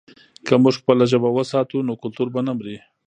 که موږ خپله ژبه وساتو، نو کلتور به نه مري.